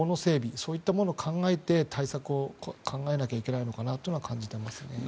そういったものを考えて、対策を考えなきゃいけないのかなと感じていますね。